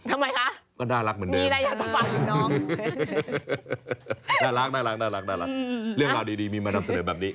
ทำไมคะก็น่ารักเหมือนเดิมน่ารักเรื่องราวดีมีมานำเสนอแบบนี้